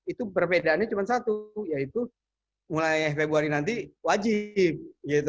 itu perbedaannya cuma satu yaitu mulai februari nanti wajib